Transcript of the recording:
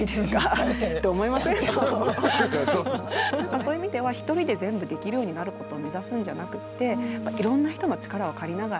そういう意味では１人で全部できるようになることを目指すんじゃなくってやっぱいろんな人の力を借りながら。